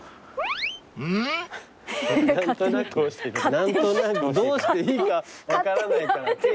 何となくどうしていいか分からないから手合わせる。